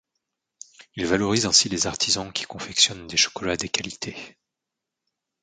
Ils valorisent ainsi les artisans qui confectionnent des chocolat des qualité.